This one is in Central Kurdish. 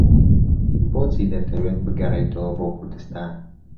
بۆچی دەتەوێت بگەڕێیتەوە بۆ کوردستان؟